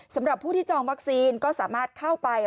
สำหรับผู้ที่จองวัคซีนก็สามารถเข้าไป